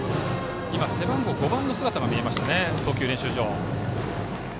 背番号５番の姿が見えた投球練習場。